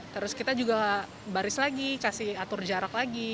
terus kita juga baris lagi kasih atur jarak lagi